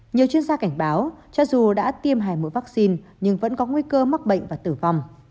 nhiều chuyên gia cảnh báo cho dù đã tiêm hai mũi vaccine nhưng vẫn có nguy cơ mắc bệnh và tử vong